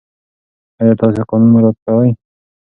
آیا تاسې قانون مراعات کوئ؟